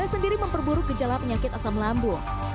stres sendiri memperburuk gejala penyakit asam lambung